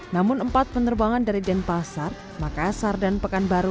namun empat penerbangan dari denpasar makassar dan pekanbaru